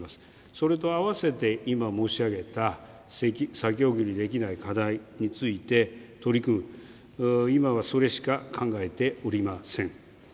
それと合わせて、今申し上げた先送りできない課題について取り組む、今はそれしか考えておりません。